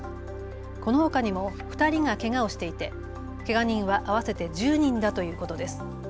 このほかにも２人がけがをしていてけが人は合わせて１０人だということです。